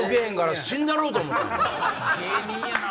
芸人やな！